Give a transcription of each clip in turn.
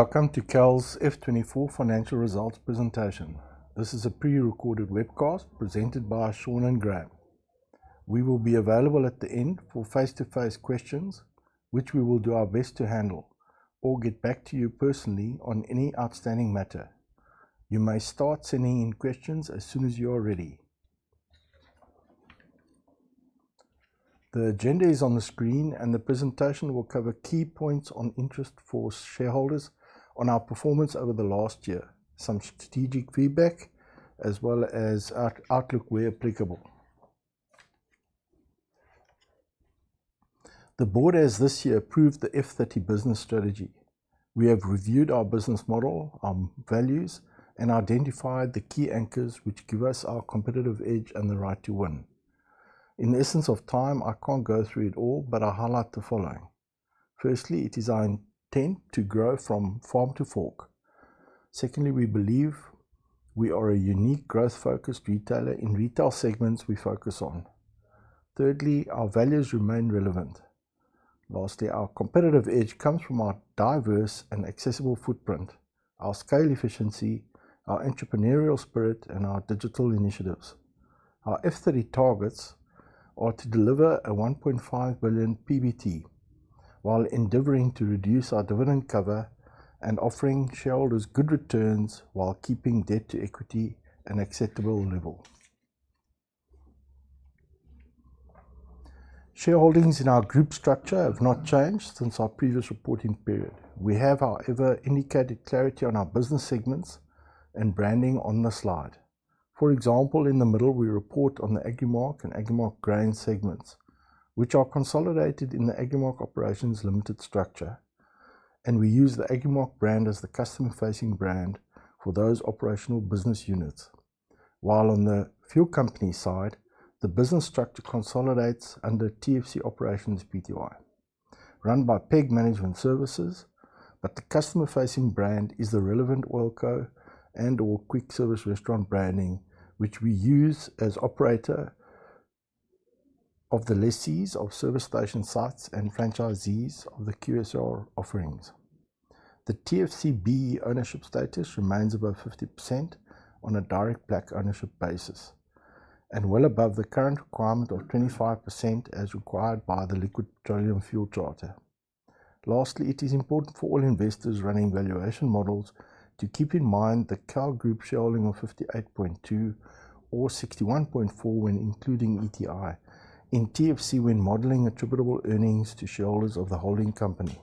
Welcome to KAL's F24 Financial Results presentation. This is a pre-recorded webcast presented by Sean and Graeme. We will be available at the end for face-to-face questions, which we will do our best to handle, or get back to you personally on any outstanding matter. You may start sending in questions as soon as you are ready. The agenda is on the screen, and the presentation will cover key points on interest for shareholders on our performance over the last year, some strategic feedback, as well as outlook where applicable. The board has this year approved the F30 business strategy. We have reviewed our business model, our values, and identified the key anchors which give us our competitive edge and the right to win. In the interest of time, I can't go through it all, but I highlight the following. Firstly, it is our intent to grow from farm to fork. Secondly, we believe we are a unique growth-focused retailer in retail segments we focus on. Thirdly, our values remain relevant. Lastly, our competitive edge comes from our diverse and accessible footprint, our scale efficiency, our entrepreneurial spirit, and our digital initiatives. Our F30 targets are to deliver a 1.5 billion PBT while endeavoring to reduce our dividend cover and offering shareholders good returns while keeping debt-to-equity at an acceptable level. Shareholdings in our group structure have not changed since our previous reporting period. We have, however, indicated clarity on our business segments and branding on the slide. For example, in the middle, we report on the Agrimark and Agrimark Grain segments, which are consolidated in the Agrimark Operations (Pty) Ltd structure, and we use the Agrimark brand as the customer-facing brand for those operational business units. While on The Fuel Company side, the business structure consolidates under TFC Operations (Pty), run by PEG Management Services, but the customer-facing brand is the relevant Oil Co and/or Quick Service Restaurant branding, which we use as operator of the lessees of service station sites and franchisees of the QSR offerings. The TFC BEE ownership status remains above 50% on a direct black ownership basis and well above the current requirement of 25% as required by the Liquid Fuels Charter. Lastly, it is important for all investors running valuation models to keep in mind the KAL Group shareholding of 58.2% or 61.4% when including ETI in TFC when modeling attributable earnings to shareholders of the holding company.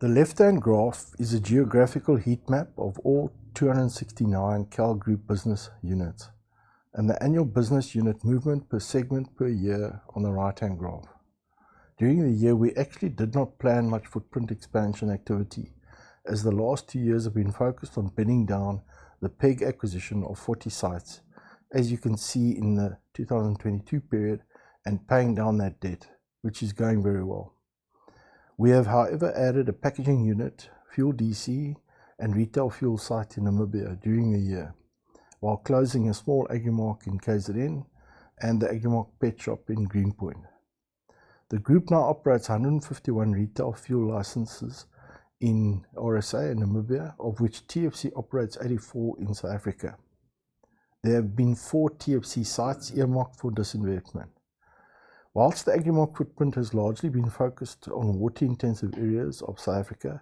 The left-hand graph is a geographical heat map of all 269 KAL Group business units and the annual business unit movement per segment per year on the right-hand graph. During the year, we actually did not plan much footprint expansion activity, as the last two years have been focused on pinning down the PEG acquisition of 40 sites, as you can see in the 2022 period, and paying down that debt, which is going very well. We have, however, added a packaging unit, fuel DC, and retail fuel site in Namibia during the year, while closing a small Agrimark in Kaserne and the Agrimark Pet Shop in Green Point. The group now operates 151 retail fuel licenses in RSA and Namibia, of which TFC operates 84 in South Africa. There have been four TFC sites earmarked for this investment. Whilst the Agrimark footprint has largely been focused on water-intensive areas of South Africa,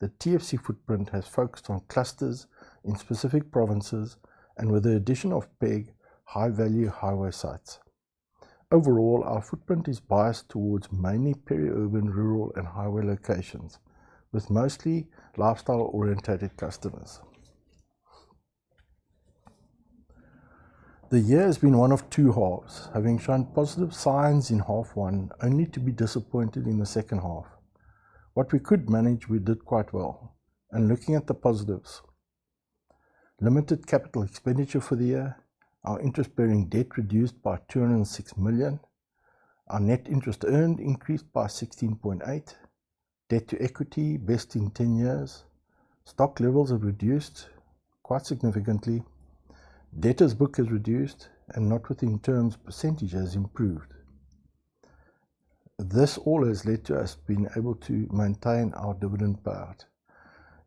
the TFC footprint has focused on clusters in specific provinces and with the addition of PEG high-value highway sites. Overall, our footprint is biased towards mainly peri-urban, rural, and highway locations, with mostly lifestyle-oriented customers. The year has been one of two halves, having shown positive signs in half one, only to be disappointed in the second half. What we could manage, we did quite well, and looking at the positives: limited capital expenditure for the year, our interest-bearing debt reduced by 206 million, our net interest earned increased by 16.8%, debt to equity best in 10 years, stock levels have reduced quite significantly, debtor's book has reduced, and not within terms percentage has improved. This all has led to us being able to maintain our dividend payout.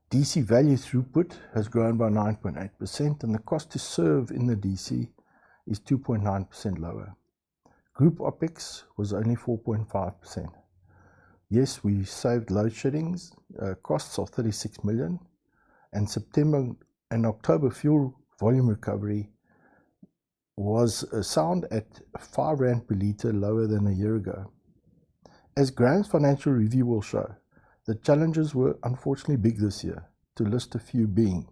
DC value throughput has grown by 9.8%, and the cost to serve in the DC is 2.9% lower. Group OpEx was only 4.5%. Yes, we saved load shedding costs of 36 million, and September and October fuel volume recovery was sound at 5 rand per liter lower than a year ago. As Graeme's financial review will show, the challenges were unfortunately big this year, to list a few being: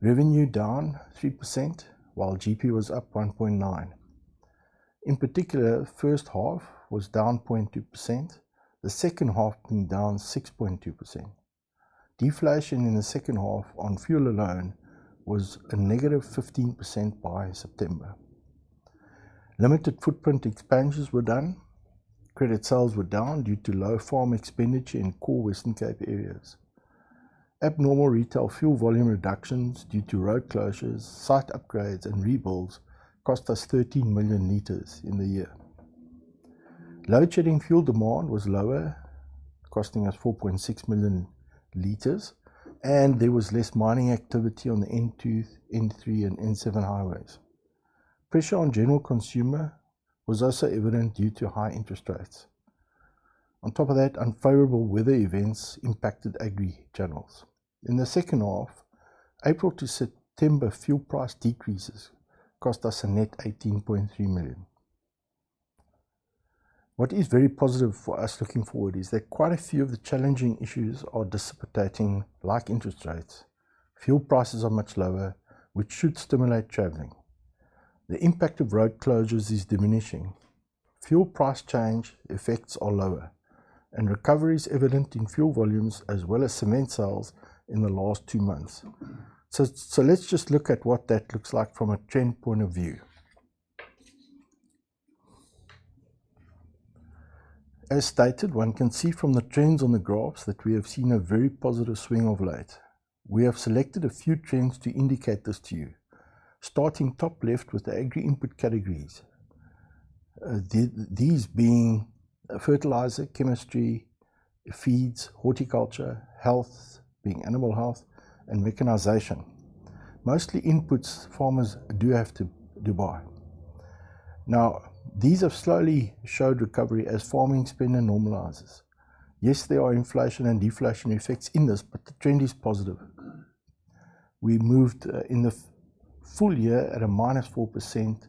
revenue down 3% while GP was up 1.9%. In particular, the first half was down 0.2%, the second half being down 6.2%. Deflation in the second half on fuel alone was a negative 15% by September. Limited footprint expansions were done. Credit sales were down due to low farm expenditure in core Western Cape areas. Abnormal retail fuel volume reductions due to road closures, site upgrades, and rebuilds cost us 13 million liters in the year. load shedding fuel demand was lower, costing us 4.6 million liters, and there was less mining activity on the N2, N3, and N7 highways. Pressure on general consumer was also evident due to high interest rates. On top of that, unfavorable weather events impacted agri channels. In the second half, April to September fuel price decreases cost us a net 18.3 million. What is very positive for us looking forward is that quite a few of the challenging issues are dissipating like interest rates. Fuel prices are much lower, which should stimulate travelling. The impact of road closures is diminishing. Fuel price change effects are lower, and recovery is evident in fuel volumes as well as cement sales in the last two months. So let's just look at what that looks like from a trend point of view. As stated, one can see from the trends on the graphs that we have seen a very positive swing of late. We have selected a few trends to indicate this to you, starting top left with the agri input categories, these being fertilizer, chemistry, feeds, horticulture, health being animal health, and mechanization. Mostly inputs farmers do have to buy. Now, these have slowly showed recovery as farming spending normalizes. Yes, there are inflation and deflation effects in this, but the trend is positive. We moved in the full year at a minus 4%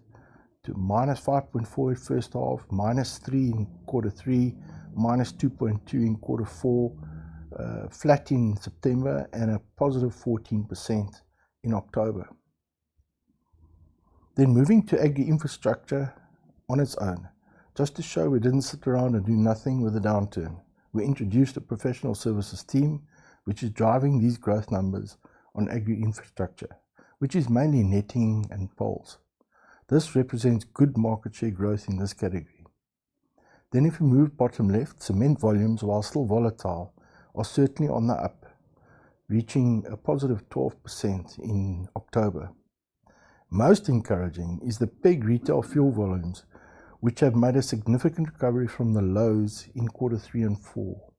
to minus 5.4% first half, minus 3% in quarter three, minus 2.2% in quarter four, flat in September, and a positive 14% in October. Then moving to agri infrastructure on its own, just to show we didn't sit around and do nothing with a downturn. We introduced a professional services team, which is driving these growth numbers on agri infrastructure, which is mainly netting and poles. This represents good market share growth in this category. If we move bottom left, cement volumes, while still volatile, are certainly on the up, reaching a positive 12% in October. Most encouraging is the PEG retail fuel volumes, which have made a significant recovery from the lows in quarter three and four,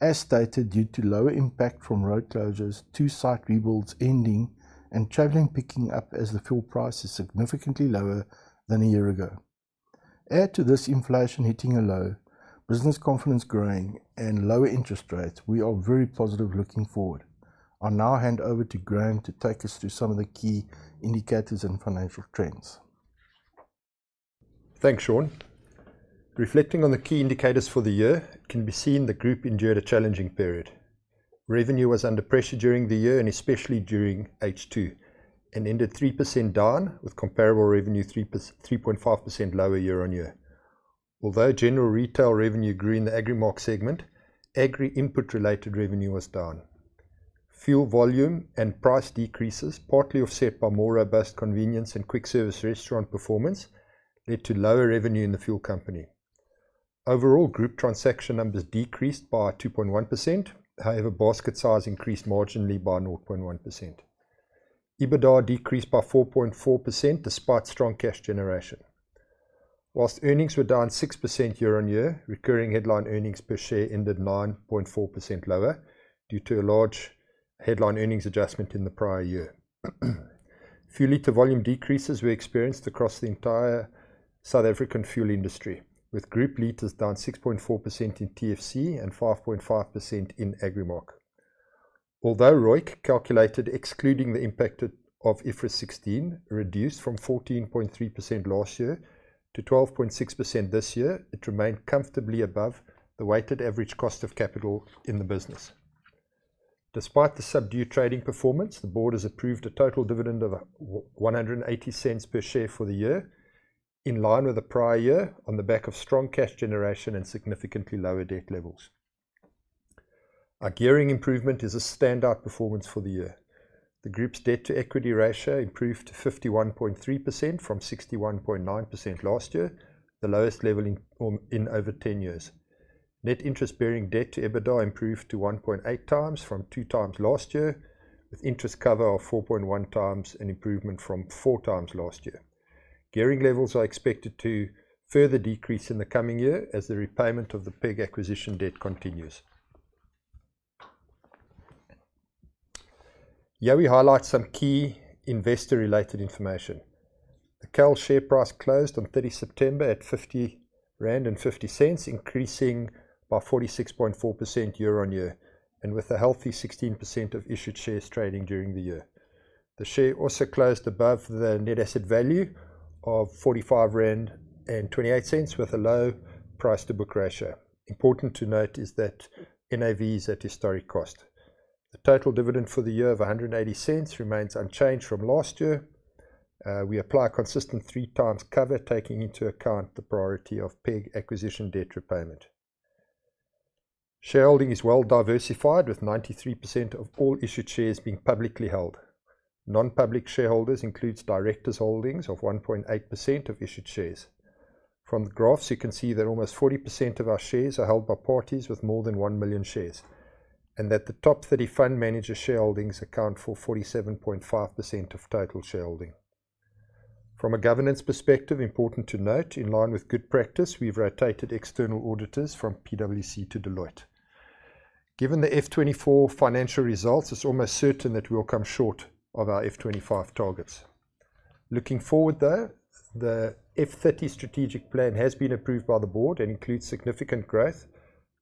as stated due to lower impact from road closures, two site rebuilds ending, and traveling picking up as the fuel price is significantly lower than a year ago. Add to this inflation hitting a low, business confidence growing, and lower interest rates. We are very positive looking forward. I'll now hand over to Graeme to take us through some of the key indicators and financial trends. Thanks, Sean. Reflecting on the key indicators for the year, it can be seen the group endured a challenging period. Revenue was under pressure during the year, and especially during H2, and ended 3% down, with comparable revenue 3.5% lower year on year. Although general retail revenue grew in the Agrimark segment, agri input related revenue was down. Fuel volume and price decreases, partly offset by more robust convenience and quick service restaurant performance, led to lower revenue in the fuel company. Overall, group transaction numbers decreased by 2.1%; however, basket size increased marginally by 0.1%. EBITDA decreased by 4.4% despite strong cash generation. While earnings were down 6% year on year, recurring headline earnings per share ended 9.4% lower due to a large headline earnings adjustment in the prior year. Fuel litre volume decreases were experienced across the entire South African fuel industry, with group litres down 6.4% in TFC and 5.5% in Agrimark. Although ROIC calculated excluding the impact of IFRS 16 reduced from 14.3% last year to 12.6% this year, it remained comfortably above the weighted average cost of capital in the business. Despite the subdued trading performance, the board has approved a total dividend of 1.80 per share for the year, in line with the prior year on the back of strong cash generation and significantly lower debt levels. Our gearing improvement is a standout performance for the year. The group's debt to equity ratio improved to 51.3% from 61.9% last year, the lowest level in over 10 years. Net interest-bearing debt to EBITDA improved to 1.8 times from two times last year, with interest cover of 4.1 times and improvement from four times last year. Gearing levels are expected to further decrease in the coming year as the repayment of the PEG acquisition debt continues. Yeah, we highlight some key investor-related information. The KAL share price closed on 30 September at 50.50 rand, increasing by 46.4% year-on-year, and with a healthy 16% of issued shares trading during the year. The share also closed above the net asset value of 45.28 rand, with a low price to book ratio. Important to note is that NAV is at historic cost. The total dividend for the year of 1.80 remains unchanged from last year. We apply consistent three times cover, taking into account the priority of PEG acquisition debt repayment. Shareholding is well diversified, with 93% of all issued shares being publicly held. Non-public shareholders include directors' holdings of 1.8% of issued shares. From the graphs, you can see that almost 40% of our shares are held by parties with more than 1 million shares, and that the top 30 fund manager shareholdings account for 47.5% of total shareholding. From a governance perspective, important to note, in line with good practice, we've rotated external auditors from PwC to Deloitte. Given the F24 financial results, it's almost certain that we'll come short of our F25 targets. Looking forward, though, the F30 strategic plan has been approved by the board and includes significant growth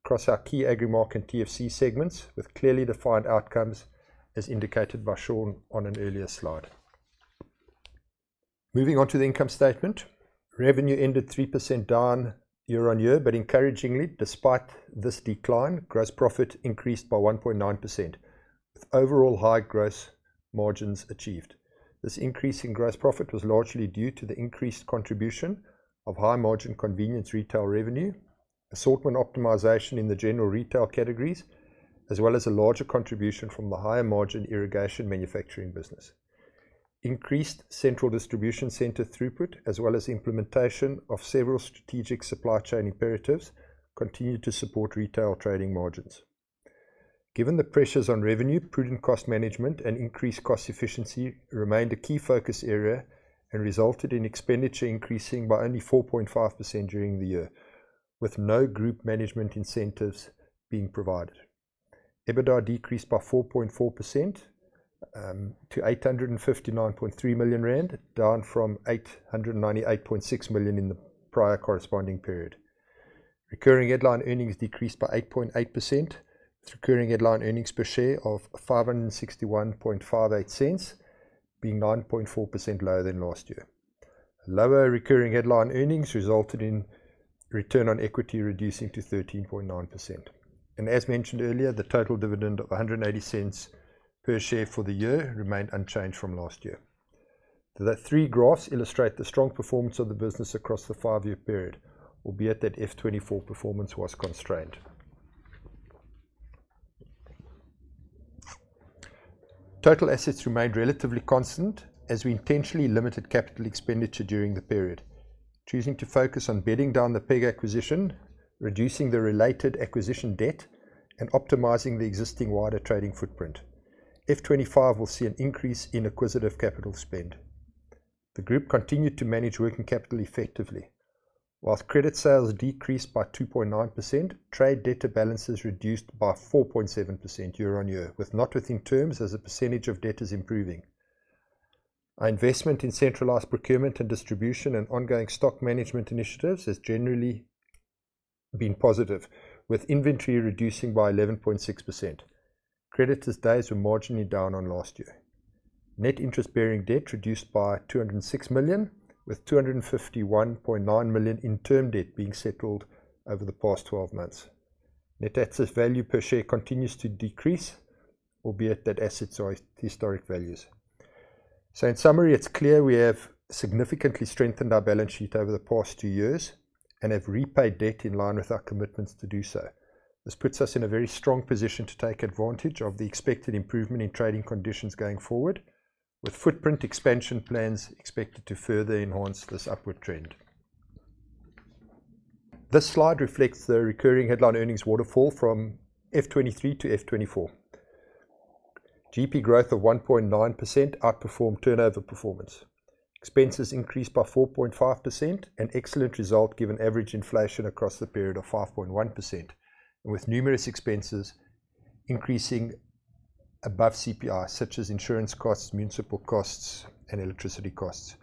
across our key Agrimark and TFC segments, with clearly defined outcomes as indicated by Sean on an earlier slide. Moving on to the income statement, revenue ended 3% down year on year, but encouragingly, despite this decline, gross profit increased by 1.9%, with overall high gross margins achieved. This increase in gross profit was largely due to the increased contribution of high margin convenience retail revenue, assortment optimization in the general retail categories, as well as a larger contribution from the higher margin irrigation manufacturing business. Increased central distribution centre throughput, as well as implementation of several strategic supply chain imperatives, continue to support retail trading margins. Given the pressures on revenue, prudent cost management and increased cost efficiency remained a key focus area and resulted in expenditure increasing by only 4.5% during the year, with no group management incentives being provided. EBITDA decreased by 4.4% to 859.3 million rand, down from 898.6 million in the prior corresponding period. Recurring headline earnings decreased by 8.8%, with recurring headline earnings per share of 5.6158 being 9.4% lower than last year. Lower recurring headline earnings resulted in return on equity reducing to 13.9%, and as mentioned earlier, the total dividend of 1.80 per share for the year remained unchanged from last year. The three graphs illustrate the strong performance of the business across the five-year period, albeit that F24 performance was constrained. Total assets remained relatively constant as we intentionally limited capital expenditure during the period, choosing to focus on bedding down the PEG acquisition, reducing the related acquisition debt, and optimizing the existing wider trading footprint. F25 will see an increase in acquisitive capital spend. The group continued to manage working capital effectively. While credit sales decreased by 2.9%, trade debtor balances reduced by 4.7% year-on-year, with the percentage of debtors not within terms improving. Our investment in centralised procurement and distribution and ongoing stock management initiatives has generally been positive, with inventory reducing by 11.6%. Creditors' days were marginally down on last year. Net interest bearing debt reduced by 206 million, with 251.9 million in term debt being settled over the past 12 months. Net asset value per share continues to decrease, albeit that assets are historic values. So in summary, it's clear we have significantly strengthened our balance sheet over the past two years and have repaid debt in line with our commitments to do so. This puts us in a very strong position to take advantage of the expected improvement in trading conditions going forward, with footprint expansion plans expected to further enhance this upward trend. This slide reflects the recurring headline earnings waterfall from F23 to F24. GP growth of 1.9% outperformed turnover performance. Expenses increased by 4.5%, an excellent result given average inflation across the period of 5.1%, and with numerous expenses increasing above CPI, such as insurance costs, municipal costs, and electricity costs.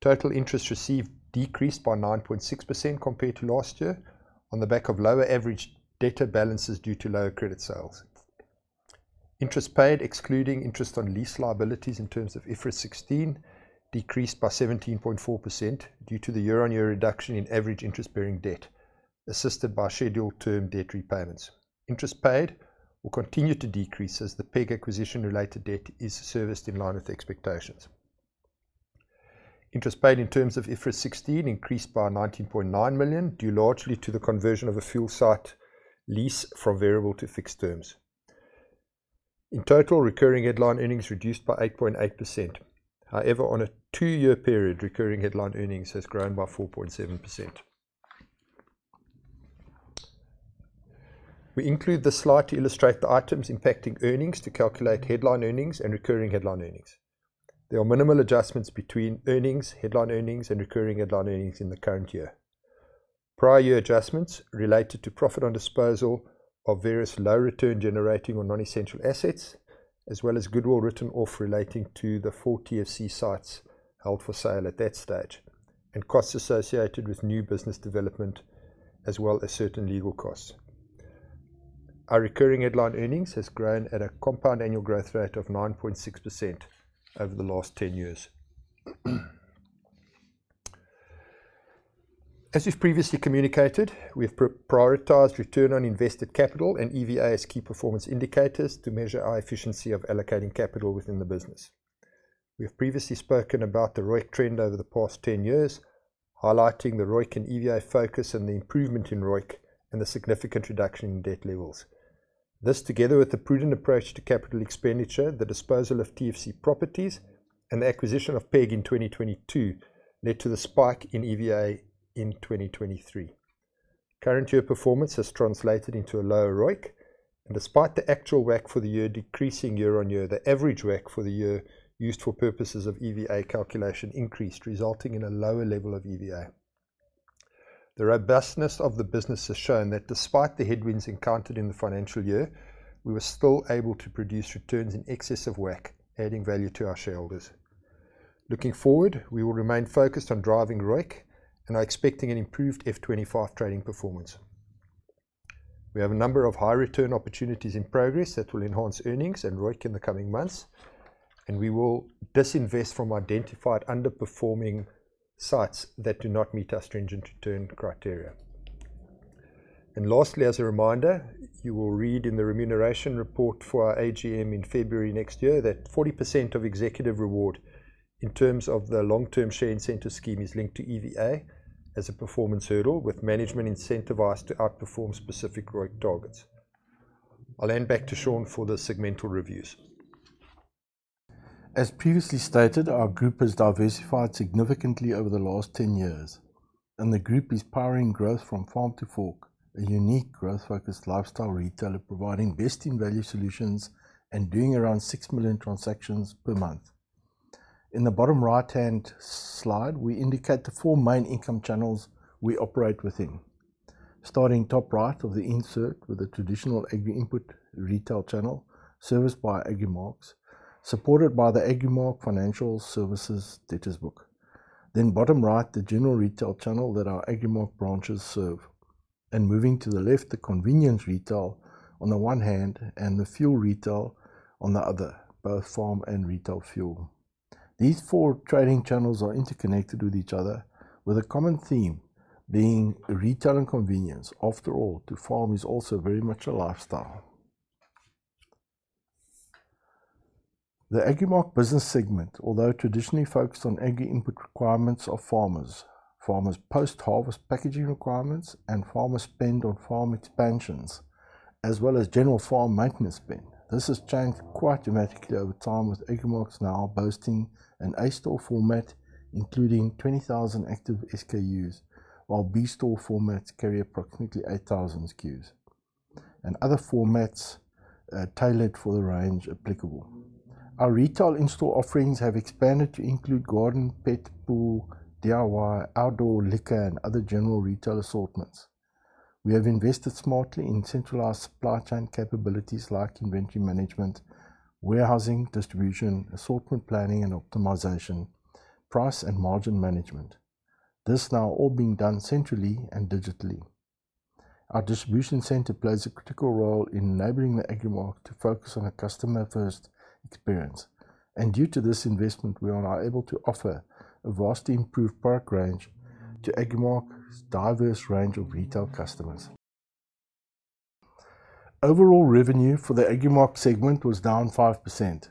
Total interest received decreased by 9.6% compared to last year on the back of lower average debtor balances due to lower credit sales. Interest paid, excluding interest on lease liabilities in terms of IFRS 16, decreased by 17.4% due to the year-on-year reduction in average interest bearing debt, assisted by scheduled term debt repayments. Interest paid will continue to decrease as the PEG acquisition related debt is serviced in line with expectations. Interest paid in terms of IFRS 16 increased by 19.9 million due largely to the conversion of a fuel site lease from variable to fixed terms. In total, recurring headline earnings reduced by 8.8%. However, on a two-year period, recurring headline earnings has grown by 4.7%. We include the slide to illustrate the items impacting earnings to calculate headline earnings and recurring headline earnings. There are minimal adjustments between earnings, headline earnings, and recurring headline earnings in the current year. Prior year adjustments related to profit on disposal of various low return generating or non-essential assets, as well as goodwill written off relating to the four TFC sites held for sale at that stage, and costs associated with new business development, as well as certain legal costs. Our recurring headline earnings has grown at a compound annual growth rate of 9.6% over the last 10 years. As we've previously communicated, we have prioritized return on invested capital and EVA as key performance indicators to measure our efficiency of allocating capital within the business. We have previously spoken about the ROIC trend over the past 10 years, highlighting the ROIC and EVA focus and the improvement in ROIC and the significant reduction in debt levels. This, together with the prudent approach to capital expenditure, the disposal of TFC properties, and the acquisition of PEG in 2022, led to the spike in EVA in 2023. Current year performance has translated into a lower ROIC, and despite the actual WACC for the year decreasing year-on-year, the average WACC for the year used for purposes of EVA calculation increased, resulting in a lower level of EVA. The robustness of the business has shown that despite the headwinds encountered in the financial year, we were still able to produce returns in excess of WACC, adding value to our shareholders. Looking forward, we will remain focused on driving ROIC and are expecting an improved F25 trading performance. We have a number of high return opportunities in progress that will enhance earnings and ROIC in the coming months, and we will disinvest from identified underperforming sites that do not meet our stringent return criteria, and lastly, as a reminder, you will read in the remuneration report for our AGM in February next year that 40% of executive reward in terms of the long-term share incentive scheme is linked to EVA as a performance hurdle, with management incentivized to outperform specific ROIC targets. I'll hand back to Sean for the segmental reviews. As previously stated, our group has diversified significantly over the last 10 years, and the group is powering growth from farm to fork, a unique growth-focused lifestyle retailer providing best-in-value solutions and doing around 6 million transactions per month. In the bottom right-hand slide, we indicate the four main income channels we operate within. Starting top right of the insert with the traditional agri inputs retail channel serviced by Agrimark, supported by the Agrimark Financial Services Debtor's Book. Then bottom right, the general retail channel that our Agrimark branches serve. Moving to the left, the convenience retail on the one hand and the fuel retail on the other, both farm and retail fuel. These four trading channels are interconnected with each other, with a common theme being retail and convenience. After all, to farm is also very much a lifestyle. The Agrimark business segment, although traditionally focused on agri inputs requirements of farmers, farmers' post-harvest packaging requirements, and farmers' spend on farm expansions, as well as general farm maintenance spend. This has changed quite dramatically over time, with Agrimark now boasting an A-store format including 20,000 active SKUs, while B-store formats carry approximately 8,000 SKUs. Other formats tailored for the range applicable. Our retail in-store offerings have expanded to include garden, pet, pool, DIY, outdoor, liquor, and other general retail assortments. We have invested smartly in centralized supply chain capabilities like inventory management, warehousing, distribution, assortment planning and optimization, price and margin management. This is now all being done centrally and digitally. Our distribution center plays a critical role in enabling the Agrimark to focus on a customer-first experience, and due to this investment, we are now able to offer a vastly improved product range to Agrimark's diverse range of retail customers. Overall revenue for the Agrimark segment was down 5%.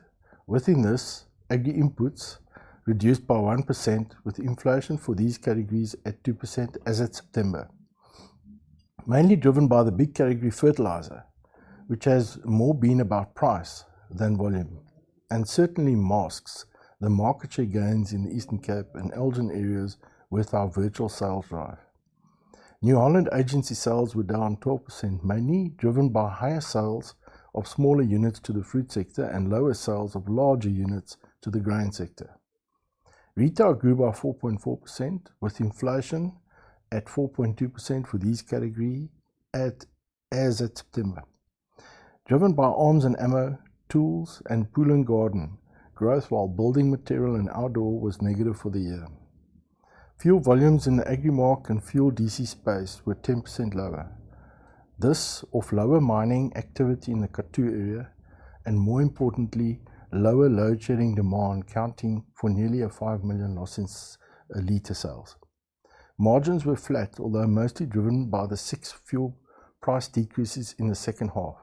Within this, agri inputs reduced by 1%, with inflation for these categories at 2% as of September. Mainly driven by the big category fertilizer, which has more been about price than volume, and certainly masks the market share gains in the Eastern Cape and Elgin areas with our virtual sales drive. New Holland agency sales were down 12%, mainly driven by higher sales of smaller units to the food sector and lower sales of larger units to the grain sector. Retail grew by 4.4%, with inflation at 4.2% for these categories as of September. Driven by arms and ammo, tools, and pool and garden growth, while building material and outdoor was negative for the year. Fuel volumes in the Agrimark and fuel DC space were 10% lower. This off lower mining activity in the Kathu area and, more importantly, lower load shedding demand accounting for nearly a five million losses in liter sales. Margins were flat, although mostly driven by the six fuel price decreases in the second half,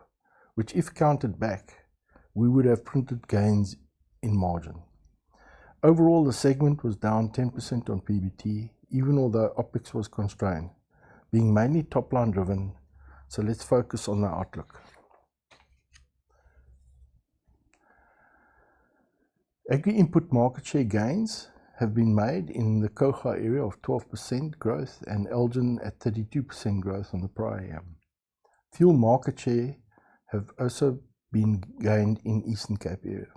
which, if counted back, we would have printed gains in margin. Overall, the segment was down 10% on PBT, even although OPEX was constrained, being mainly top-line driven, so let's focus on the outlook. Agri input market share gains have been made in the Kouga area of 12% growth and Elgin at 32% growth on the prior year. Fuel market share has also been gained in the Eastern Cape area.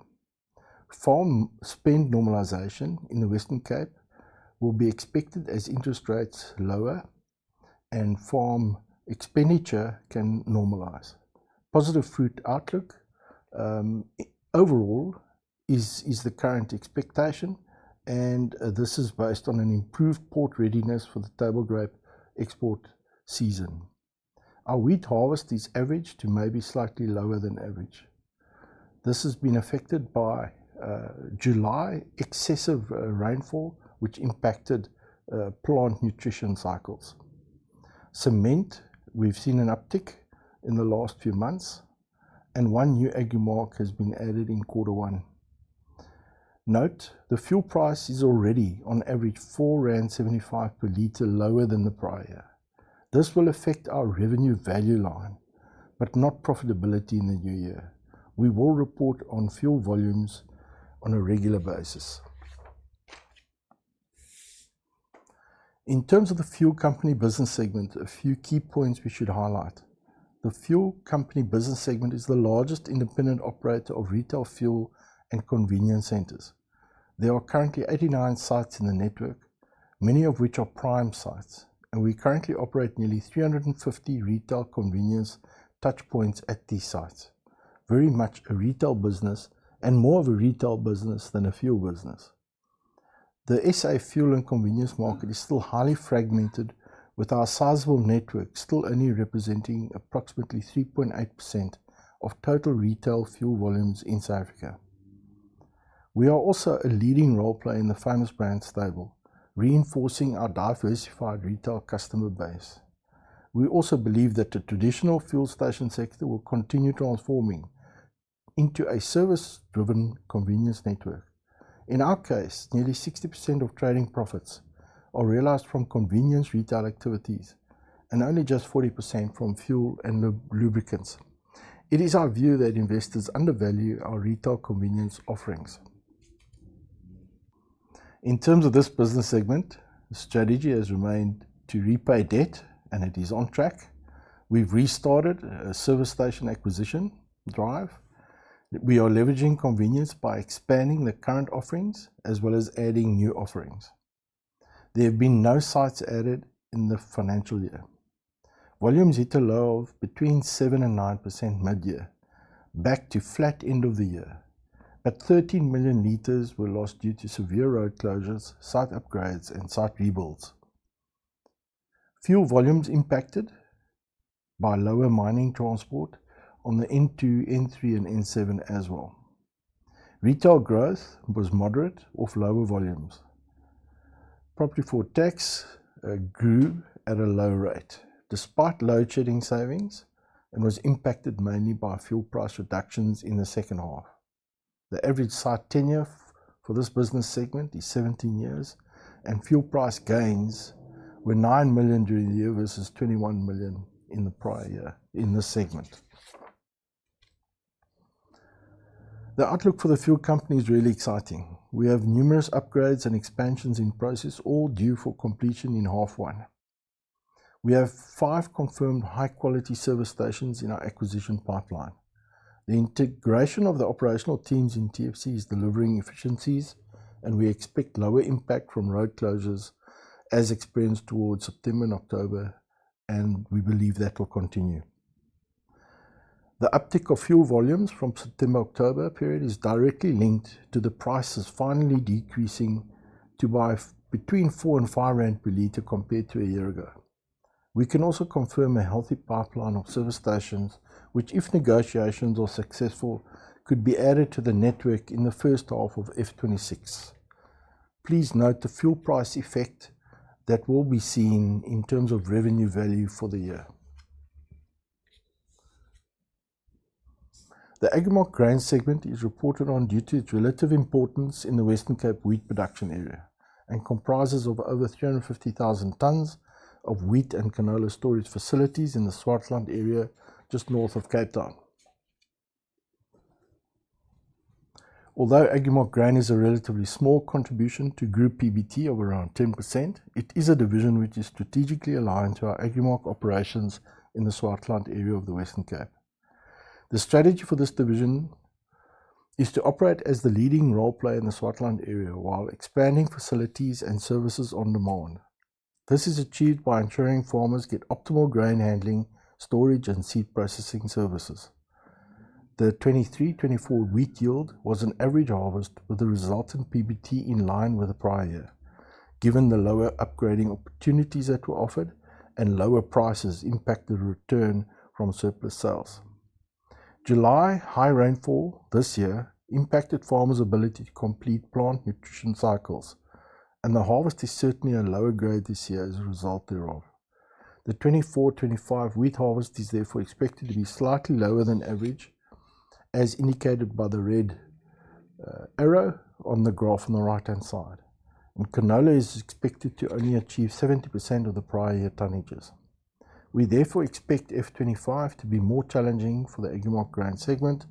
Farm spend normalization in the Western Cape will be expected as interest rates lower and farm expenditure can normalize. Positive food outlook overall is the current expectation, and this is based on an improved port readiness for the table grape export season. Our wheat harvest is average to maybe slightly lower than average. This has been affected by July excessive rainfall, which impacted plant nutrition cycles. Cement, we've seen an uptick in the last few months, and one new Agrimark has been added in quarter one. Note, the fuel price is already on average 4.75 per liter lower than the prior year. This will affect our revenue value line, but not profitability in the new year. We will report on fuel volumes on a regular basis. In terms of the fuel company business segment, a few key points we should highlight. The fuel company business segment is the largest independent operator of retail fuel and convenience centers. There are currently 89 sites in the network, many of which are prime sites, and we currently operate nearly 350 retail convenience touch points at these sites. Very much a retail business and more of a retail business than a fuel business. The SA fuel and convenience market is still highly fragmented, with our sizable network still only representing approximately 3.8% of total retail fuel volumes in South Africa. We are also a leading role player in the Famous Brands stable, reinforcing our diversified retail customer base. We also believe that the traditional fuel station sector will continue transforming into a service-driven convenience network. In our case, nearly 60% of trading profits are realized from convenience retail activities and only just 40% from fuel and lubricants. It is our view that investors undervalue our retail convenience offerings. In terms of this business segment, the strategy has remained to repay debt, and it is on track. We've restarted a service station acquisition drive. We are leveraging convenience by expanding the current offerings as well as adding new offerings. There have been no sites added in the financial year. Volumes hit a low of between 7% and 9% mid-year, back to flat end of the year. But 13 million liters were lost due to severe road closures, site upgrades, and site rebuilds. Fuel volumes impacted by lower mining transport on the N2, N3, and N7 as well. Retail growth was moderate of lower volumes. Profit before tax grew at a low rate despite load shedding savings and was impacted mainly by fuel price reductions in the second half. The average site tenure for this business segment is 17 years, and fuel price gains were 9 million during the year versus 21 million in the prior year in this segment. The outlook for the fuel company is really exciting. We have numerous upgrades and expansions in process, all due for completion in half one. We have five confirmed high-quality service stations in our acquisition pipeline. The integration of the operational teams in TFC is delivering efficiencies, and we expect lower impact from road closures as experienced towards September and October, and we believe that will continue. The uptick of fuel volumes from September-October period is directly linked to the prices finally decreasing by between 4 and 5 rand per liter compared to a year ago. We can also confirm a healthy pipeline of service stations, which, if negotiations are successful, could be added to the network in the first half of F26. Please note the fuel price effect that will be seen in terms of revenue value for the year. The Agrimark grain segment is reported on due to its relative importance in the Western Cape wheat production area and comprises of over 350,000 tons of wheat and canola storage facilities in the Swartland area just north of Cape Town. Although Agrimark Grain is a relatively small contribution to group PBT of around 10%, it is a division which is strategically aligned to our Agrimark operations in the Swartland area of the Western Cape. The strategy for this division is to operate as the leading role player in the Swartland area while expanding facilities and services on demand. This is achieved by ensuring farmers get optimal grain handling, storage, and seed processing services. The 2023-2024 wheat yield was an average harvest, with the resulting PBT in line with the prior year. Given the lower upgrading opportunities that were offered and lower prices impacted the return from surplus sales. July high rainfall this year impacted farmers' ability to complete plant nutrition cycles, and the harvest is certainly a lower grade this year as a result thereof. The 24-25 wheat harvest is therefore expected to be slightly lower than average, as indicated by the red arrow on the graph on the right-hand side. And canola is expected to only achieve 70% of the prior year tonnages. We therefore expect F25 to be more challenging for the Agrimark grain segment,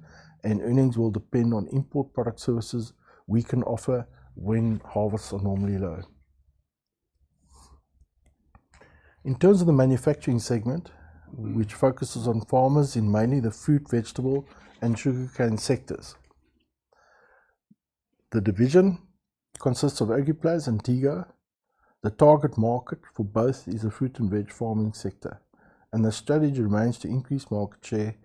and earnings will depend on import product services we can offer when harvests are normally low. In terms of the manufacturing segment, which focuses on farmers in mainly the fruit, vegetable, and sugarcane sectors, the division consists of Agriplas and Tego. The target market for both is the fruit and veg farming sector, and the strategy remains to increase market share,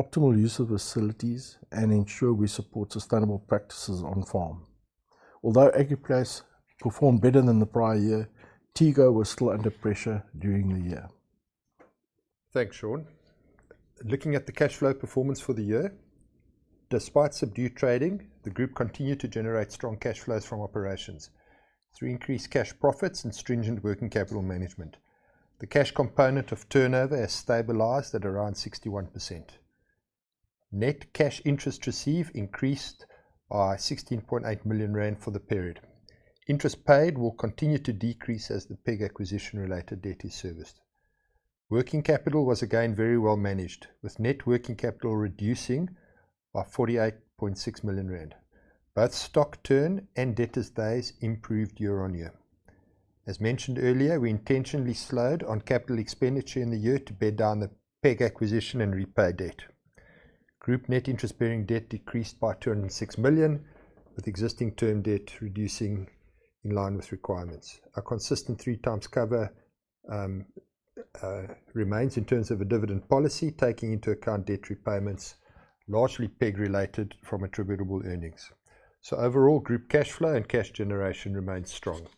optimal use of facilities, and ensure we support sustainable practices on farm. Although Agriplas performed better than the prior year, Tego was still under pressure during the year. Thanks, Sean. Looking at the cash flow performance for the year, despite subdued trading, the group continued to generate strong cash flows from operations through increased cash profits and stringent working capital management. The cash component of turnover has stabilized at around 61%. Net cash interest received increased by 16.8 million rand for the period. Interest paid will continue to decrease as the PEG acquisition-related debt is serviced. Working capital was again very well managed, with net working capital reducing by 48.6 million rand. Both stock turn and debtors' days improved year on year. As mentioned earlier, we intentionally slowed on capital expenditure in the year to bear down the PEG acquisition and repay debt. Group net interest-bearing debt decreased by 206 million, with existing term debt reducing in line with requirements. A consistent three times cover remains in terms of a dividend policy, taking into account debt repayments largely PEG-related from attributable earnings. So overall, group cash flow and cash generation remained strong.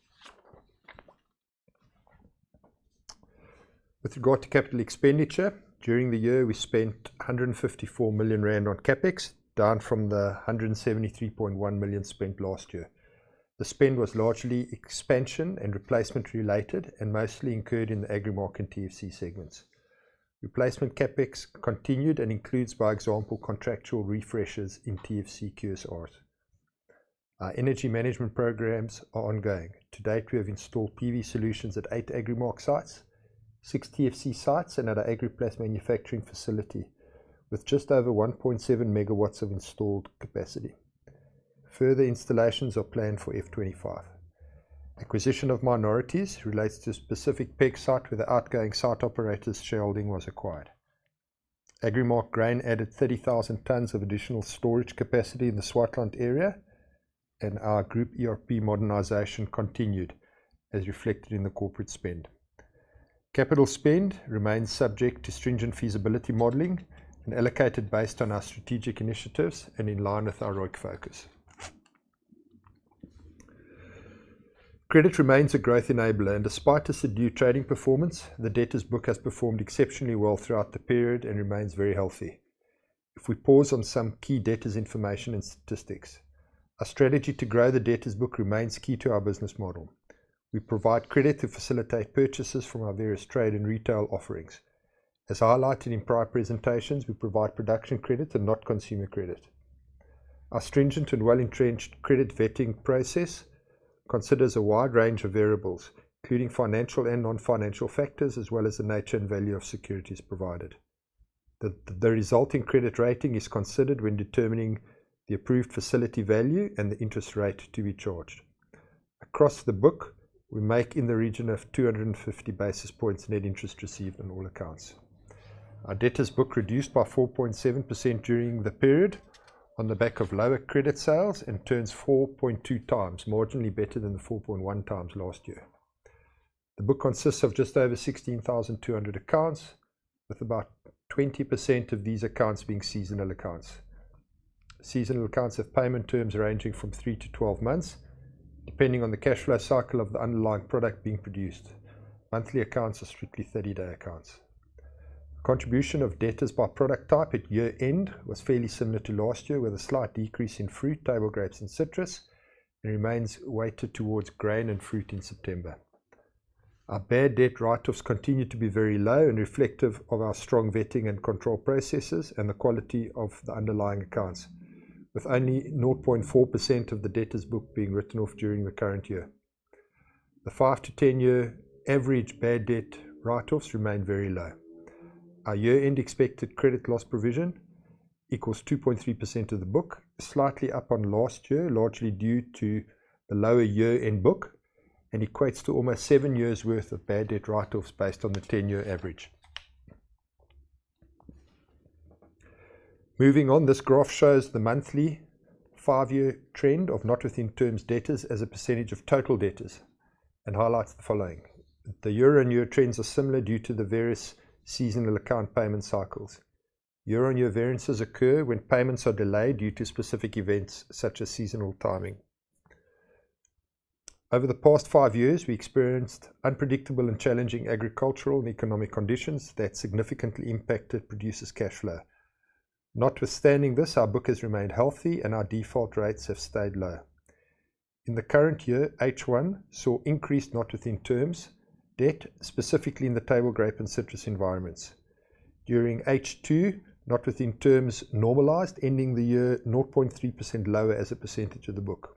With regard to capital expenditure, during the year we spent 154 million rand on CapEx, down from the 173.1 million spent last year. The spend was largely expansion and replacement related and mostly incurred in the Agrimark and TFC segments. Replacement CapEx continued and includes, by example, contractual refreshes in TFC QSRs. Our energy management programs are ongoing. To date, we have installed PV solutions at eight Agrimark sites, six TFC sites, and at our Agriplas manufacturing facility, with just over 1.7 megawatts of installed capacity. Further installations are planned for F25. Acquisition of minorities relates to a specific PEG site where the outgoing site operator's shareholding was acquired. Agrimark Grain added 30,000 tons of additional storage capacity in the Swartland area, and our group ERP modernization continued, as reflected in the corporate spend. Capital spend remains subject to stringent feasibility modeling and allocated based on our strategic initiatives and in line with our work focus. Credit remains a growth enabler, and despite the subdued trading performance, the debtors' book has performed exceptionally well throughout the period and remains very healthy. If we pause on some key debtors' information and statistics, our strategy to grow the debtors' book remains key to our business model. We provide credit to facilitate purchases from our various trade and retail offerings. As highlighted in prior presentations, we provide production credit and not consumer credit. Our stringent and well-entrenched credit vetting process considers a wide range of variables, including financial and non-financial factors, as well as the nature and value of securities provided. The resulting credit rating is considered when determining the approved facility value and the interest rate to be charged. Across the book, we make in the region of 250 basis points net interest received on all accounts. Our debtors' book reduced by 4.7% during the period on the back of lower credit sales and turns 4.2 times, marginally better than the 4.1 times last year. The book consists of just over 16,200 accounts, with about 20% of these accounts being seasonal accounts. Seasonal accounts have payment terms ranging from 3 to 12 months, depending on the cash flow cycle of the underlying product being produced. Monthly accounts are strictly 30-day accounts. Contribution of debtors by product type at year-end was fairly similar to last year, with a slight decrease in fruit, table grapes, and citrus, and remains weighted towards grain and fruit in September. Our bad debt write-offs continue to be very low and reflective of our strong vetting and control processes and the quality of the underlying accounts, with only 0.4% of the debtors' book being written off during the current year. The 5- to 10-year average bad debt write-offs remain very low. Our year-end expected credit loss provision equals 2.3% of the book, slightly up on last year, largely due to the lower year-end book, and equates to almost seven years' worth of bad debt write-offs based on the 10-year average. Moving on, this graph shows the monthly five-year trend of not within terms debtors as a percentage of total debtors and highlights the following. The year-on-year trends are similar due to the various seasonal account payment cycles. Year-on-year variances occur when payments are delayed due to specific events such as seasonal timing. Over the past five years, we experienced unpredictable and challenging agricultural and economic conditions that significantly impacted producers' cash flow. Notwithstanding this, our book has remained healthy and our default rates have stayed low. In the current year, H1 saw increased not within terms debt, specifically in the table grape and citrus environments. During H2, not within terms normalized, ending the year 0.3% lower as a percentage of the book.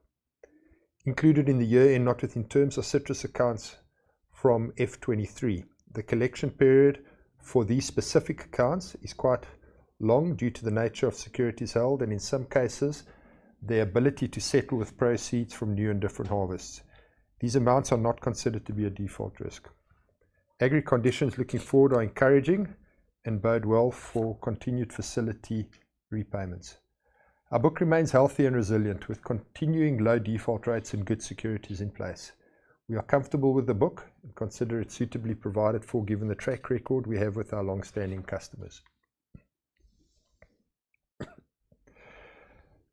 Included in the year-end not within terms are citrus accounts from F23. The collection period for these specific accounts is quite long due to the nature of securities held and, in some cases, their ability to settle with proceeds from new and different harvests. These amounts are not considered to be a default risk. Agri conditions looking forward are encouraging and bode well for continued facility repayments. Our book remains healthy and resilient, with continuing low default rates and good securities in place. We are comfortable with the book and consider it suitably provided for given the track record we have with our long-standing customers.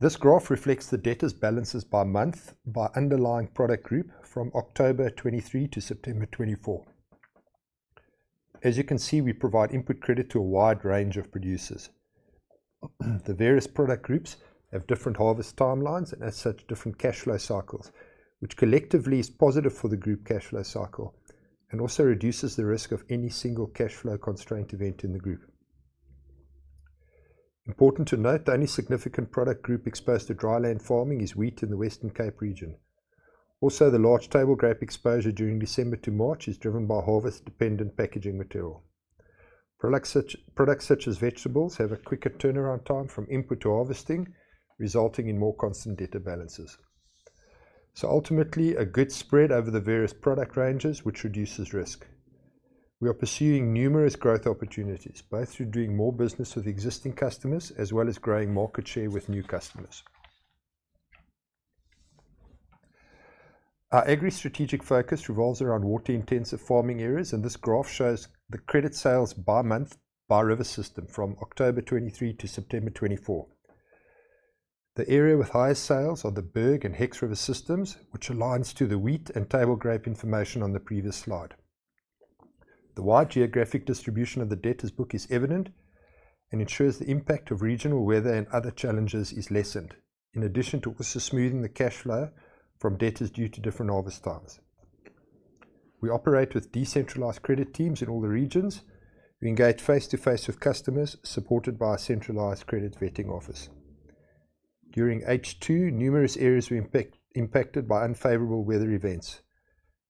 This graph reflects the debtors' balances by month by underlying product group from October 2023 to September 2024. As you can see, we provide input credit to a wide range of producers. The various product groups have different harvest timelines and, as such, different cash flow cycles, which collectively is positive for the group cash flow cycle and also reduces the risk of any single cash flow constraint event in the group. Important to note, the only significant product group exposed to dry land farming is wheat in the Western Cape region. Also, the large table grape exposure during December to March is driven by harvest-dependent packaging material. Products such as vegetables have a quicker turnaround time from input to harvesting, resulting in more constant debtor balances. So ultimately, a good spread over the various product ranges, which reduces risk. We are pursuing numerous growth opportunities, both through doing more business with existing customers as well as growing market share with new customers. Our agri strategic focus revolves around water-intensive farming areas, and this graph shows the credit sales by month by river system from October 2023 to September 2024. The area with highest sales are the Berg and Hex River systems, which aligns to the wheat and table grape information on the previous slide. The wide geographic distribution of the debtors' book is evident and ensures the impact of regional weather and other challenges is lessened, in addition to also smoothing the cash flow from debtors due to different harvest times. We operate with decentralized credit teams in all the regions. We engage face-to-face with customers, supported by a centralized credit vetting office. During H2, numerous areas were impacted by unfavorable weather events,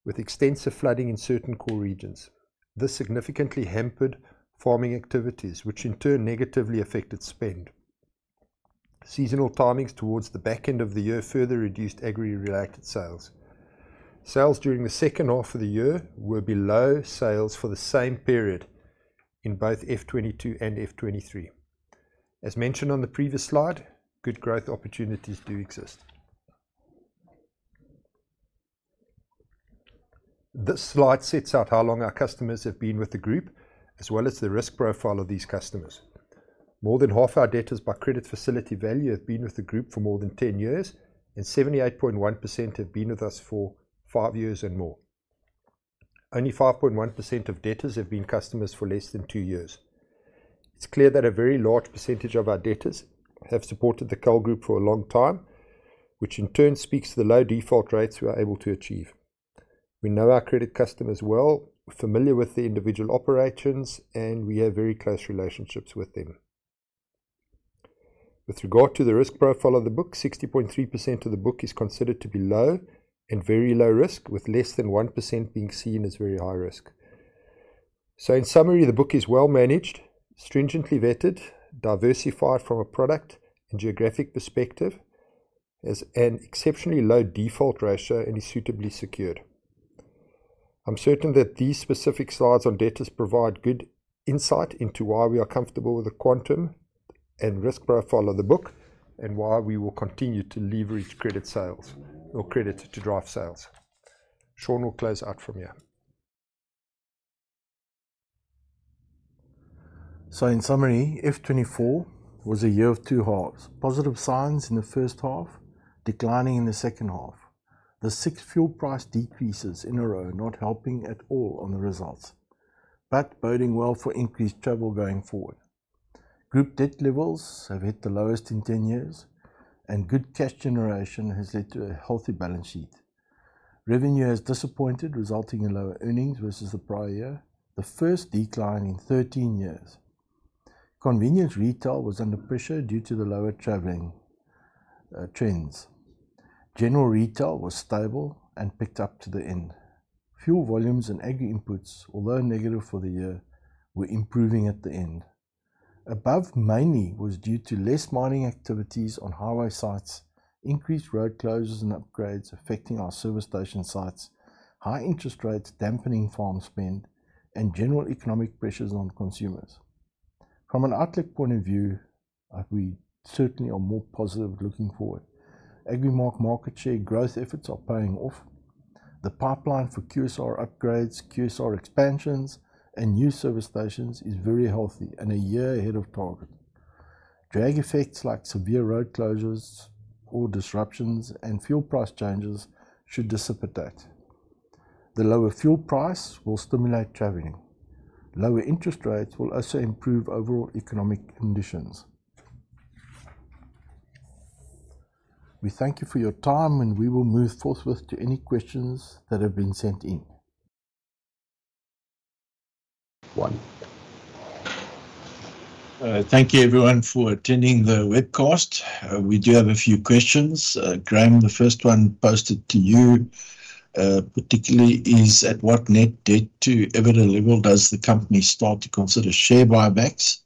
with extensive flooding in certain core regions. This significantly hampered farming activities, which in turn negatively affected spend. Seasonal timings towards the back end of the year further reduced agri-related sales. Sales during the second half of the year were below sales for the same period in both F22 and F23. As mentioned on the previous slide, good growth opportunities do exist. This slide sets out how long our customers have been with the group, as well as the risk profile of these customers. More than half our debtors by credit facility value have been with the group for more than 10 years, and 78.1% have been with us for five years and more. Only 5.1% of debtors have been customers for less than two years. It's clear that a very large percentage of our debtors have supported the KAL Group for a long time, which in turn speaks to the low default rates we are able to achieve. We know our credit customers well, we're familiar with the individual operations, and we have very close relationships with them. With regard to the risk profile of the book, 60.3% of the book is considered to be low and very low risk, with less than 1% being seen as very high risk. So in summary, the book is well managed, stringently vetted, diversified from a product and geographic perspective, has an exceptionally low default ratio, and is suitably secured. I'm certain that these specific slides on debtors provide good insight into why we are comfortable with the quantum and risk profile of the book and why we will continue to leverage credit sales or credit to drive sales. Sean will close out from here. So in summary, F24 was a year of two halves. Positive signs in the first half, declining in the second half. The six fuel price decreases in a row not helping at all on the results, but boding well for increased travel going forward. Group debt levels have hit the lowest in 10 years, and good cash generation has led to a healthy balance sheet. Revenue has disappointed, resulting in lower earnings versus the prior year, the first decline in 13 years. Convenience retail was under pressure due to the lower traveling trends. General retail was stable and picked up to the end. Fuel volumes and agri inputs, although negative for the year, were improving at the end. The above mainly was due to less mining activities on highway sites, increased road closures and upgrades affecting our service station sites, high interest rates dampening farm spend, and general economic pressures on consumers. From an outlook point of view, we certainly are more positive looking forward. Agrimark market share growth efforts are paying off. The pipeline for QSR upgrades, QSR expansions, and new service stations is very healthy and a year ahead of target. Drag effects like severe road closures or disruptions and fuel price changes should dissipate. The lower fuel price will stimulate traveling. Lower interest rates will also improve overall economic conditions. We thank you for your time, and we will move forth with any questions that have been sent in. One. Thank you everyone for attending the webcast. We do have a few questions. Graeme, the first one posed to you particularly is, at what net debt to equity level does the company start to consider share buybacks?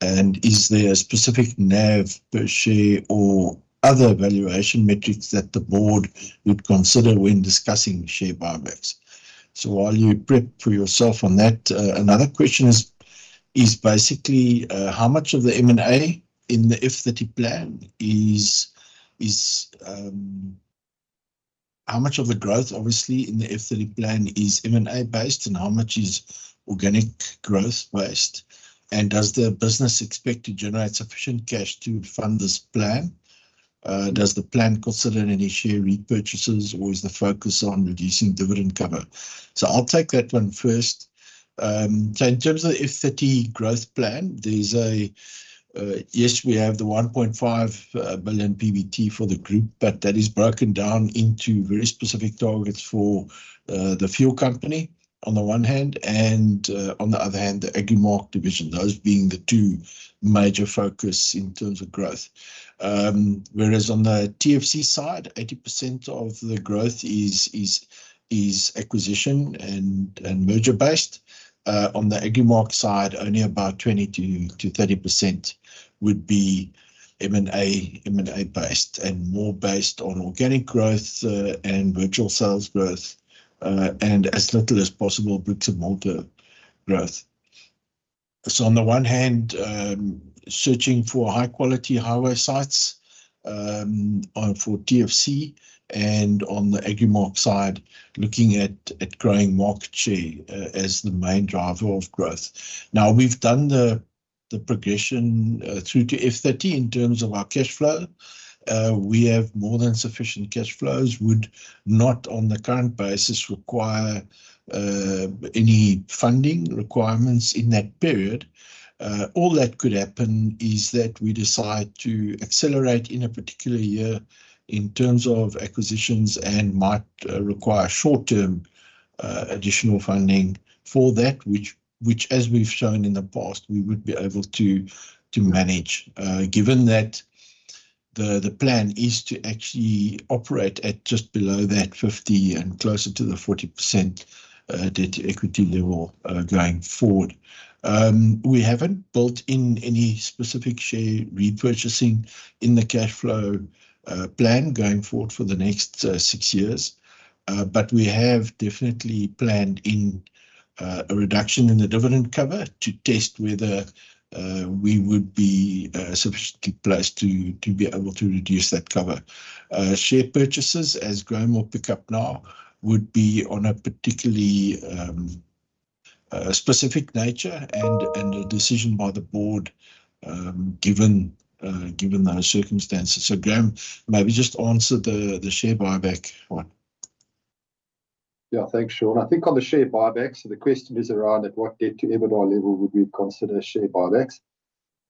And is there a specific NAV per share or other valuation metrics that the board would consider when discussing share buybacks? So while you prep for yourself on that, another question is basically how much of the growth, obviously, in the F30 plan is M&A-based and how much is organic growth-based? And does the business expect to generate sufficient cash to fund this plan? Does the plan consider any share repurchases, or is the focus on reducing dividend cover? So I'll take that one first. In terms of the F30 growth plan, there is a yes, we have 1.5 billion PBT for the group, but that is broken down into very specific targets for the fuel company on the one hand, and on the other hand, the Agrimark division, those being the two major focus in terms of growth. Whereas on the TFC side, 80% of the growth is acquisition and merger-based. On the Agrimark side, only about 20%-30% would be M&A-based and more based on organic growth and virtual sales growth and as little as possible bricks and mortar growth. On the one hand, searching for high-quality highway sites for TFC, and on the Agrimark side, looking at growing market share as the main driver of growth. Now, we have done the progression through to F30 in terms of our cash flow. We have more than sufficient cash flows, would not on the current basis require any funding requirements in that period. All that could happen is that we decide to accelerate in a particular year in terms of acquisitions and might require short-term additional funding for that, which, as we've shown in the past, we would be able to manage, given that the plan is to actually operate at just below that 50% and closer to the 40% debt to equity level going forward. We haven't built in any specific share repurchasing in the cash flow plan going forward for the next six years, but we have definitely planned in a reduction in the dividend cover to test whether we would be sufficiently placed to be able to reduce that cover. Share purchases, as Graeme will pick up now, would be on a particularly specific nature and a decision by the board given those circumstances. Graeme, maybe just answer the share buyback one. Yeah, thanks, Sean. I think on the share buybacks, the question is around at what debt to EBITDA level would we consider share buybacks.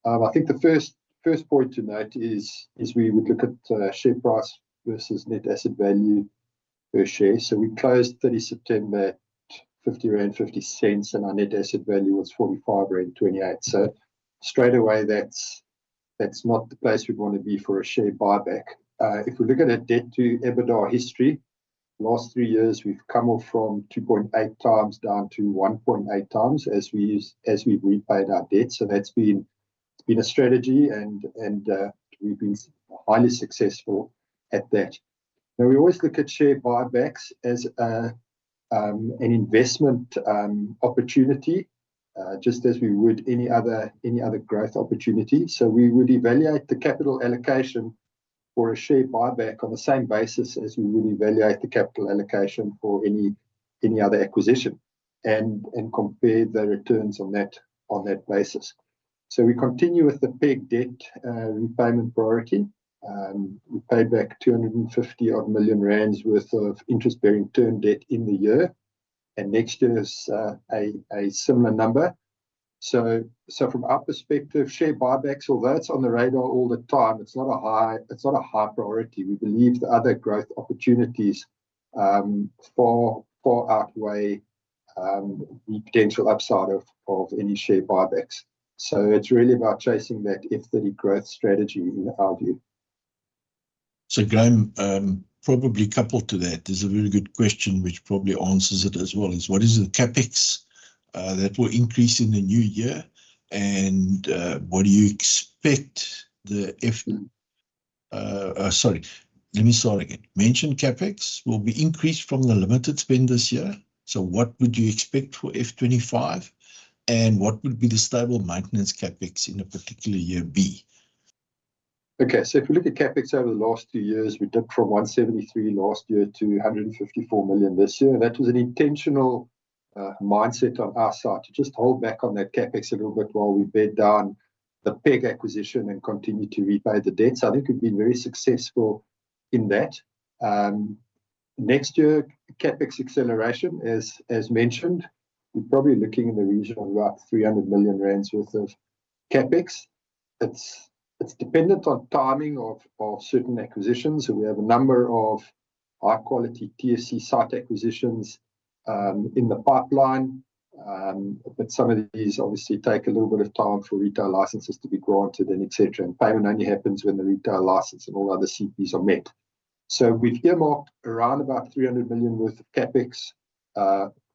I think the first point to note is we would look at share price versus net asset value per share. We closed 30 September at 50.50 rand, and our net asset value was 45.28 rand. Straight away, that's not the place we'd want to be for a share buyback. If we look at a debt to EBITDA history, last three years we've come up from 2.8 times down to 1.8 times as we've repaid our debt. That's been a strategy, and we've been highly successful at that. Now, we always look at share buybacks as an investment opportunity, just as we would any other growth opportunity. So we would evaluate the capital allocation for a share buyback on the same basis as we would evaluate the capital allocation for any other acquisition and compare the returns on that basis. So we continue with the PEG debt repayment priority. We paid back 250 million rand worth of interest-bearing term debt in the year, and next year is a similar number. So from our perspective, share buybacks, although it's on the radar all the time, it's not a high priority. We believe the other growth opportunities far outweigh the potential upside of any share buybacks. So it's really about chasing that F30 growth strategy in our view. So Graeme, probably coupled to that, there's a really good question which probably answers it as well. What is the CapEx that will increase in the new year? And what do you expect the F, sorry, let me start again. Mentioned CapEx will be increased from the limited spend this year. So what would you expect for F25? And what would be the stable maintenance CapEx in a particular year B? Okay, so if we look at CapEx over the last two years, we dipped from 173 million ZAR last year to 154 million ZAR this year. And that was an intentional mindset on our side to just hold back on that CapEx a little bit while we bear down on the PEG acquisition and continue to repay the debt. So I think we've been very successful in that. Next year, CapEx acceleration, as mentioned, we're probably looking in the region of about 300 million rand worth of CapEx. It's dependent on timing of certain acquisitions. We have a number of high-quality TFC site acquisitions in the pipeline, but some of these obviously take a little bit of time for retail licenses to be granted and etc. Payment only happens when the retail license and all other CPs are met. We've earmarked around about 300 million worth of CapEx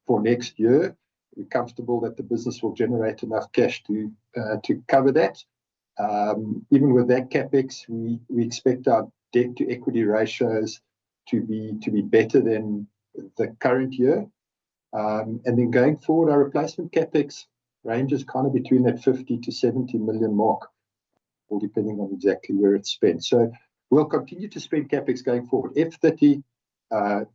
for next year. We're comfortable that the business will generate enough cash to cover that. Even with that CapEx, we expect our debt to equity ratios to be better than the current year. Going forward, our replacement CapEx range is kind of between that 50 million-70 million mark, depending on exactly where it's spent. We'll continue to spend CapEx going forward. F30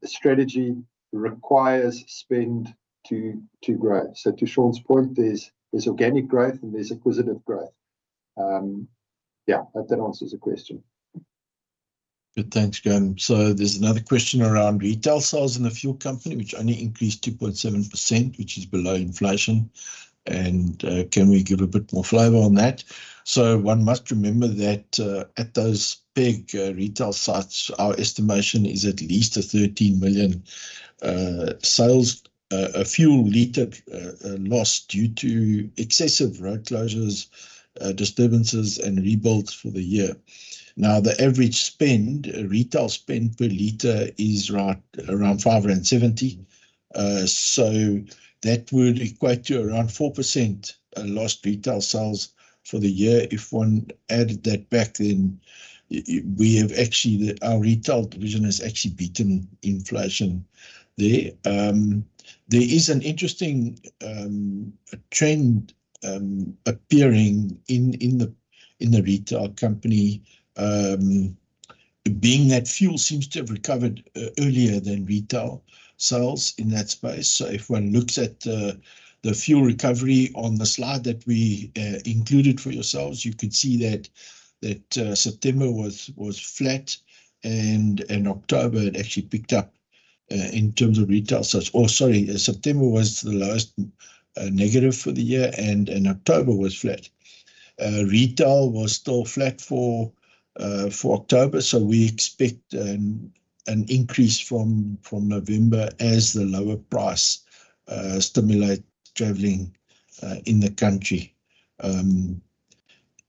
strategy requires spend to grow. To Sean's point, there's organic growth and there's acquisitive growth. Yeah, I hope that answers the question. Thanks, Graeme. So there's another question around retail sales in the fuel company, which only increased 2.7%, which is below inflation. And can we give a bit more flavor on that? So one must remember that at those PEG retail sites, our estimation is at least a 13 million sales of fuel liter lost due to excessive road closures, disturbances, and rebuilds for the year. Now, the average spend, retail spend per liter, is around 570. So that would equate to around 4% lost retail sales for the year. If one added that back, then we have actually our retail division has actually beaten inflation there. There is an interesting trend appearing in the retail company, being that fuel seems to have recovered earlier than retail sales in that space. If one looks at the fuel recovery on the slide that we included for yourselves, you could see that September was flat, and October had actually picked up in terms of retail sales. Oh, sorry, September was the lowest negative for the year, and October was flat. Retail was still flat for October, so we expect an increase from November as the lower price stimulates traveling in the country.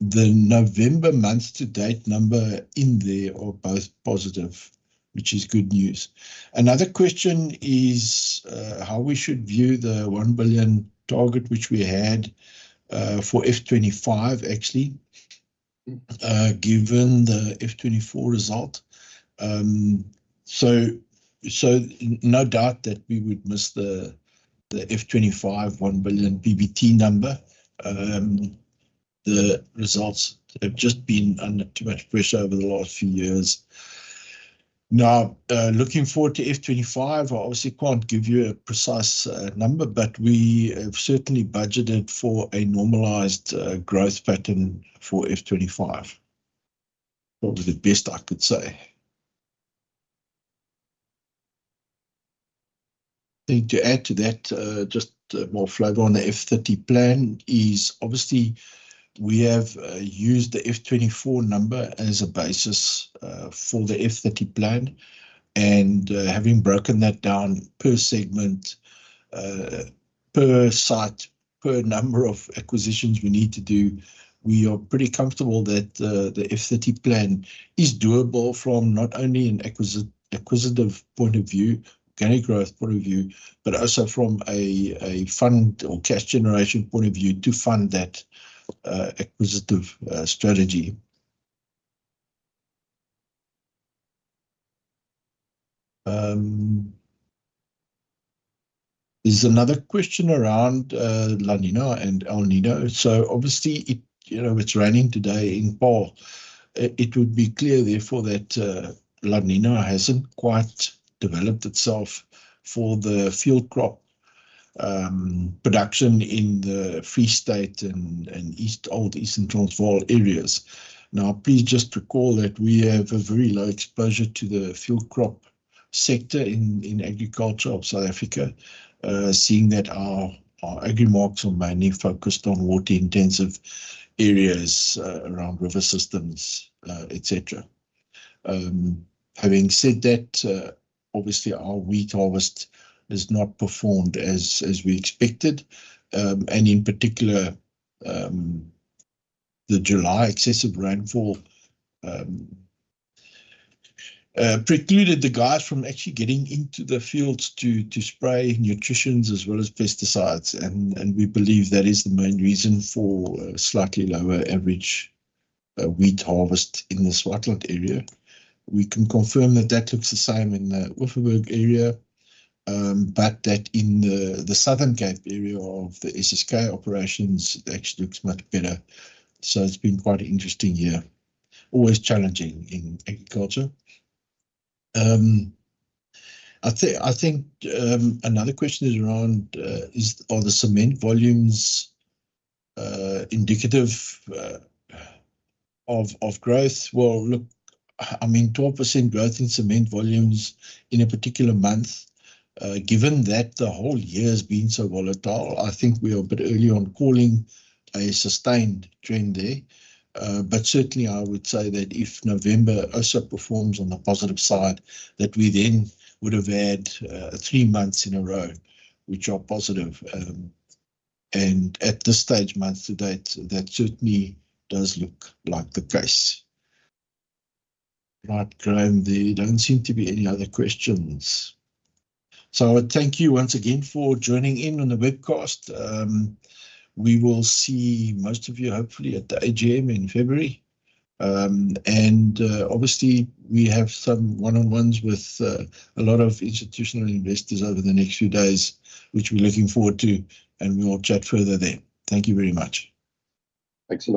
The November month-to-date number in there are both positive, which is good news. Another question is how we should view the 1 billion target which we had for F25, actually, given the F24 result. No doubt that we would miss the F25 1 billion PBT number. The results have just been under too much pressure over the last few years. Now, looking forward to F25, I obviously can't give you a precise number, but we have certainly budgeted for a normalised growth pattern for F25. That was the best I could say. To add to that, just more flavour on the F30 plan is obviously we have used the F24 number as a basis for the F30 plan. And having broken that down per segment, per site, per number of acquisitions we need to do, we are pretty comfortable that the F30 plan is doable from not only an acquisitive point of view, organic growth point of view, but also from a fund or cash generation point of view to fund that acquisitive strategy. There's another question around La Niña and El Niño. So obviously, it's raining today in Paarl. It would be clear, therefore, that La Niña hasn't quite developed itself for the field crop production in the Free State and old Eastern Transvaal areas. Now, please just recall that we have a very low exposure to the field crop sector in agriculture of South Africa, seeing that our Agrimark stores are mainly focused on water-intensive areas around river systems, etc. Having said that, obviously, our wheat harvest has not performed as we expected, and in particular, the July excessive rainfall precluded the guys from actually getting into the fields to spray nutrients as well as pesticides, and we believe that is the main reason for slightly lower average wheat harvest in the Swartland area. We can confirm that that looks the same in the Vredenburg area, but that in the Southern Cape area of the SSK operations, it actually looks much better. It's been quite an interesting year, always challenging in agriculture. I think another question is around, are the cement volumes indicative of growth? Well, look, I mean, 12% growth in cement volumes in a particular month, given that the whole year has been so volatile, I think we are a bit early on calling a sustained trend there. But certainly, I would say that if November also performs on the positive side, that we then would have had three months in a row, which are positive. And at this stage, month-to-date, that certainly does look like the case. Right, Graeme, there don't seem to be any other questions. So thank you once again for joining in on the webcast. We will see most of you, hopefully, at the AGM in February. Obviously, we have some one-on-ones with a lot of institutional investors over the next few days, which we're looking forward to, and we'll chat further there. Thank you very much. Thanks.